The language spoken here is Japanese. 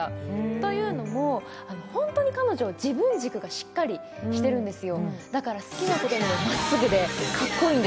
というのも、ホントに彼女、自分軸がしっかりしてるんですよ。